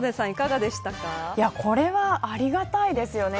これは、ありがたいですよね。